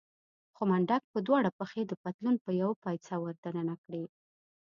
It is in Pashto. خو منډک به دواړه پښې د پتلون په يوه پایڅه ور دننه کړې.